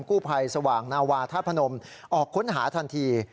กู้ภัยสว่างนาวาธาตุพนมออกค้นหาทันที